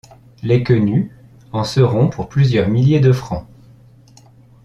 Les Quenu en seront pour plusieurs milliers de francs. ..